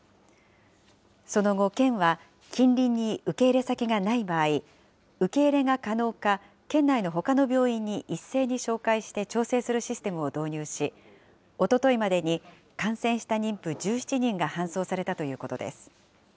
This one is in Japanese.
その後、県は近隣に受け入れ先がない場合、受け入れが可能か、県内のほかの病院に一斉に照会して調整するシステムを導入し、おとといまでに感染した妊婦１７人が搬送されたということです。